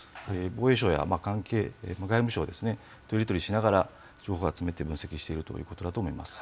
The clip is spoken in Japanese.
防衛省や外務省とやり取りしながら、情報を集めて、分析しているということだと思います。